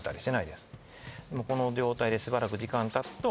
でもこの状態でしばらく時間たつと。